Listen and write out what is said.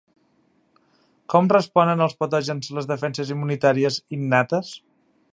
Com responen als patògens les defenses immunitàries innates?